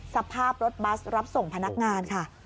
สภาพรถบัสรับส่งพนักงานค่ะ